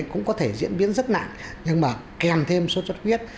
cũng có thể diễn biến rất nặng nhưng mà kèm thêm sốt xuất huyết